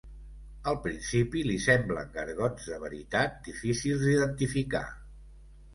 Al principi li semblen gargots de veritat, difícils d'identificar.